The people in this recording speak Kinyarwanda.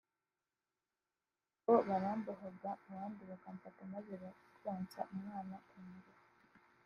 ngo barambohaga abandi bakamfata maze bakonsa umwana kungufu